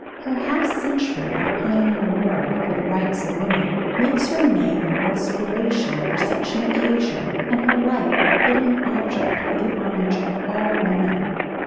Her half century of pioneer work for the rights of women makes her name an inspiration for such an occasion and her life a fitting object for the homage of all women.